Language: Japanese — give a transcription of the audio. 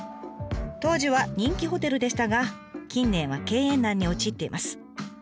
当時は人気ホテルでしたが近年は経営難に陥っています。